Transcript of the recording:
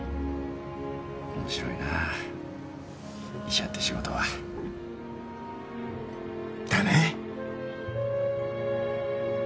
面白いなぁ医者って仕事は。だね。